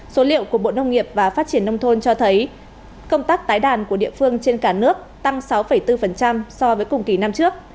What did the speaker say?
số liệu của bộ nông nghiệp và phát triển nông thôn cho thấy công tác tái đàn của địa phương trên cả nước tăng sáu bốn so với cùng kỳ năm trước